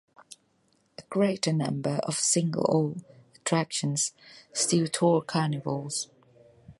A greater number of "Single O" attractions still tour carnivals.